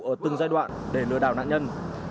ở từng giai đoạn để lừa đảo nạn nhân